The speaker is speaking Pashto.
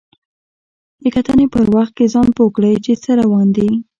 د کتنې په وخت کې ځان پوه کړئ چې څه روان دي.